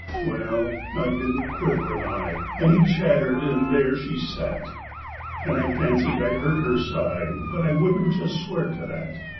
Well, I didn't quiver an eye, And he chattered and there she sat; And I fancied I heard her sigh But I wouldn't just swear to that.